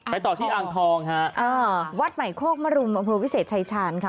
ต่อที่อ่างทองฮะอ่าวัดใหม่โคกมรุมอำเภอวิเศษชายชาญค่ะ